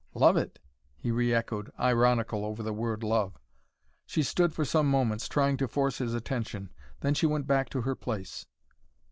"Love it?" he re echoed, ironical over the word love. She stood for some moments, trying to force his attention. Then she went back to her place.